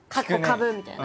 みたいな。